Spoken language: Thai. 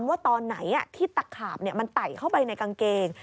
ว่าตอนไหนที่ตะขาบมันไต่เข้าไปในกางเกง